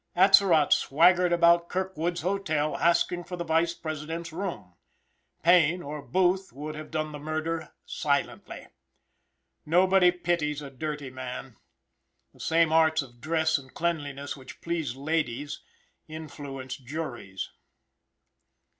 Atzerott swaggered about Kirk wood's Hotel asking for the Vice President's room; Payne or Booth would have done the murder silently. Nobody pities a dirty man. The same arts of dress and cleanliness which please ladies influence juries.